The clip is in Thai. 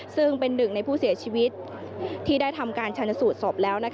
ซึ่งเป็นหนึ่งในผู้เสียชีวิตที่ได้ทำการชนสูตรศพแล้ว